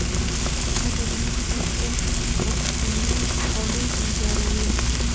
لکه زموږ خلق چې رخچينې خولۍ سينګاروي.